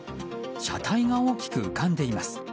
車体が大きく浮かんでいます。